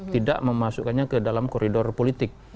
tidak memasukkannya ke dalam koridor politik